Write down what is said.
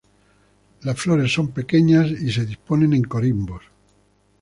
Las flores son pequeñas y se disponen en corimbos.